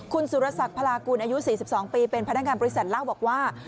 คุณสุรศักดิ์พลากุลอายุ๔๒ปีเป็นพนักงานบริษัทเล่าบอกว่า